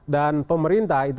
dan pemerintah itu